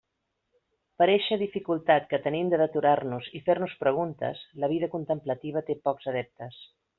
Per eixa dificultat que tenim de deturar-nos i fer-nos preguntes, la vida contemplativa té pocs adeptes.